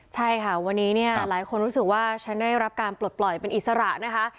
ใช่ค่ะวันนี้เนี่ยหลายคนรู้สึกว่าฉันได้รับการปลดปล่อยเป็นอิสระนะคะ